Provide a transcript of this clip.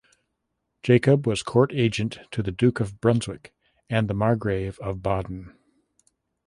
Jacob was court agent to the Duke of Brunswick and the Margrave of Baden.